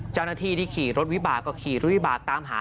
เจ้าหน้าที่ที่ขี่รถวิบากก็ขี่รุวิบากตามหา